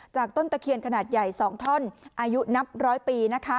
ต้นตะเคียนขนาดใหญ่๒ท่อนอายุนับร้อยปีนะคะ